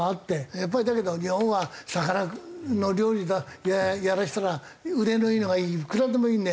やっぱりだけど日本は魚の料理やらせたら腕のいいのがいくらでもいるね。